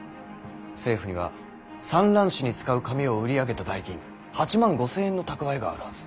政府には蚕卵紙に使う紙を売り上げた代金８万５，０００円の蓄えがあるはず。